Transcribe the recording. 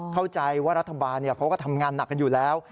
เข้าใจว่ารัฐบาลเขาก็ทำงานหนักกันอยู่แล้ว